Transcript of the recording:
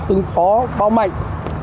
ứng phó bão mạnh